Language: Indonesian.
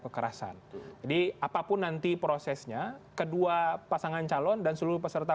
kekerasan jadi apapun nanti prosesnya kedua pasangan calon dan seluruh peserta